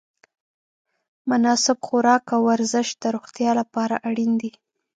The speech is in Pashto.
مناسب خوراک او ورزش د روغتیا لپاره اړین دي.